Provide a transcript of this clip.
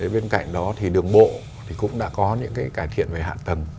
bên cạnh đó thì đường bộ cũng đã có những cải thiện về hạ tầng